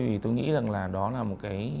vì tôi nghĩ rằng là đó là một cái